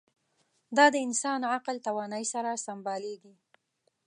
دا د انسان عقل توانایۍ سره سمبالېږي.